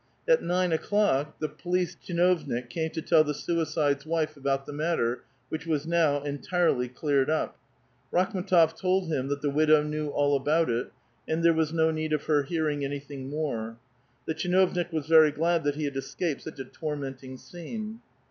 At nine o'clock the police tchinovnik came to tell the suicide's wife about the matter, which was DOW entirely cleared up. Rakhm^tof told him that the widow knew all about it, and there was no need of her hear ing anything more. The tchinoonik was very glad that he had escaped such a tormenting scene.